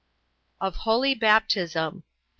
Of Holy Baptism 26.